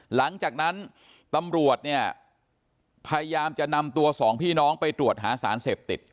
หลังจากนั้นตำรวจเนี่ยพยายามจะนำตัวสองพี่น้องไปตรวจหาสารเสพติด